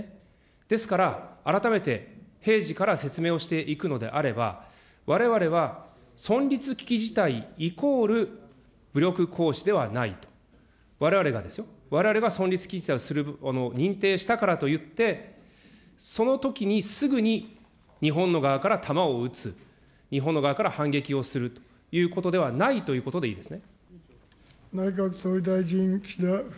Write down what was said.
ですから、改めて平時から説明をしていくのであれば、われわれは存立危機事態イコール武力行使ではない、われわれがですよ、われわれが存立危機事態に認定したからといって、そのときにすぐに日本の側から弾を撃つ、日本の側から反撃をするということではないということでいいですね。